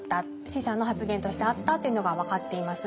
使者の発言としてあったっていうのが分かっています。